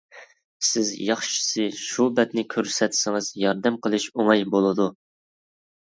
سىز ياخشىسى شۇ بەتنى كۆرسەتسىڭىز ياردەم قىلىش ئوڭاي بولىدۇ.